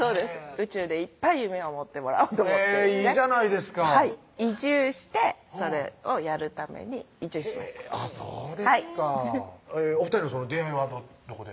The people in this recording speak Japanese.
宇宙でいっぱい夢を持ってもらおうと思ってへぇいいじゃないですか移住してそれをやるために移住しましたそうですかお２人の出会いはどこで？